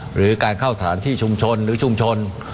หรือการเข้าสถานที่ชุมชนหรือชุมชน